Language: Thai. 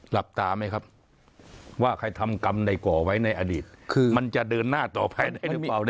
หลับตาไหมครับว่าใครทำกรรมใดก่อไว้ในอดีตคือมันจะเดินหน้าต่อแพทย์ได้หรือเปล่า